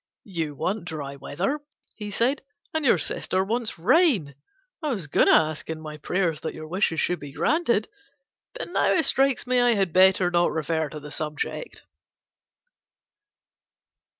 "You want dry weather," he said, "and your sister wants rain. I was going to ask in my prayers that your wishes should be granted; but now it strikes me I had better not refer to the subject."